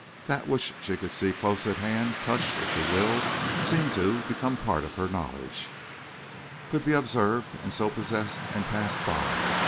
That which she could see close at hand, touch if she willed, seemed to, become part of her knowledge, could be observed and so possessed and passed by.